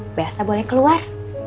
mbak elsa boleh keluar